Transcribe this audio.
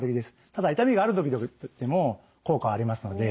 ただ痛みがある時でも効果ありますので。